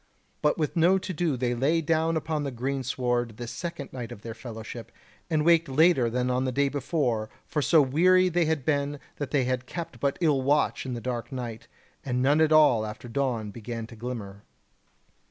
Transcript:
But with no to do they lay down upon the greensward this second night of their fellowship, and waked later than on the day before; for so weary had they been, that they had kept but ill watch in the dark night, and none at all after dawn began to glimmer.